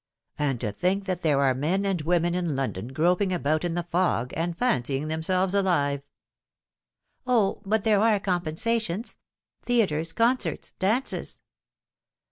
And to think that there are men and women in London groping about in the fog, and fancying themselves alive !"" O, but there are compensations theatres, concerts, dances."